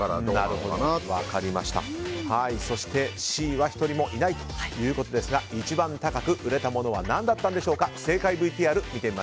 そしてＣは１人もいないということですが一番高く売れた物は何だったんでしょうか。